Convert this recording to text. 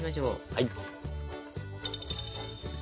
はい。